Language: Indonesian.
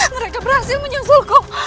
mereka berhasil menyusulku